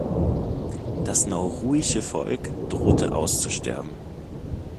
Das nauruische Volk drohte auszusterben.